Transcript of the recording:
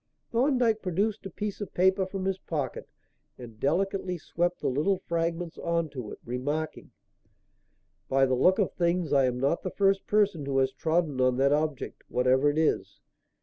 Thorndyke produced a piece of paper from his pocket and delicately swept the little fragments on to it, remarking: "By the look of things, I am not the first person who has trodden on that object, whatever it is.